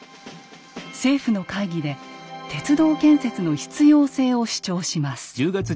政府の会議で鉄道建設の必要性を主張します。